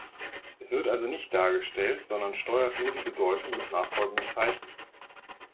Es wird also nicht dargestellt, sondern steuert nur die Bedeutung des nachfolgenden Zeichens.